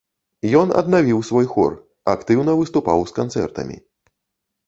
Ён аднавіў свой хор, актыўна выступаў з канцэртамі.